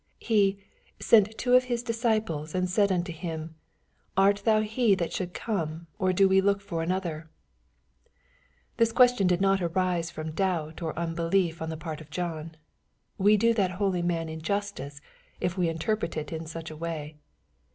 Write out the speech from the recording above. He ^^ sent two of his disciples, and said unto him, Art thou he that should come, or d > we look for another ?" This question did not arise from doubt or unbeliif on the part of John. We do that holy man injustice, if we interpret it in such a way.